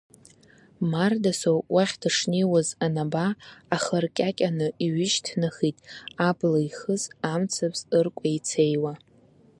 Мардасоу уахь дышнеиуаз анаба, ахы ркьакьаны иҩышьҭнахит, абла ихыз амцабз ыркәеицеиуа.